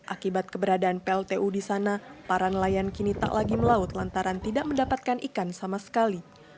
akibat keberadaan pltu di sana para nelayan kini tak lagi melaut lantaran tidak mendapatkan ikan sama sekali